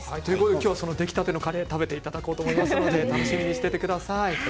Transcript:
今日は出来たてのカレーを食べていただきますので楽しみにしてください。